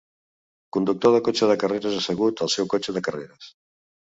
Conductor de cotxe de carreres assegut al seu cotxe de carreres.